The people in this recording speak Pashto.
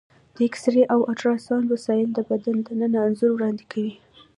د ایکسرې او الټراساونډ وسایل د بدن دننه انځور وړاندې کوي.